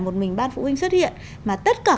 một mình ban phụ huynh xuất hiện mà tất cả